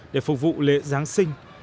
để phục vụ lễ giáng sinh